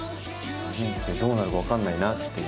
人生どうなるか分かんないなっていう。